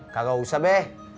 gak usah be